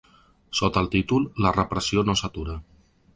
Sota el títol La repressió no s’atura.